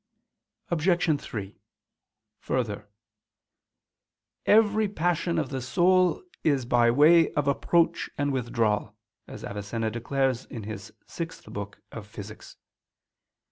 Obj. 3: Further, "every passion of the soul is by way of approach and withdrawal," as Avicenna declares in his sixth book of _Physics.